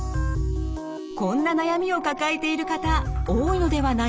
こんな悩みを抱えている方多いのではないでしょうか？